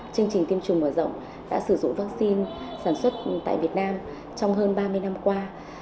chương trình tiêm chủng mở rộng đã sử dụng vaccine sản xuất tại việt nam trong hơn ba mươi năm qua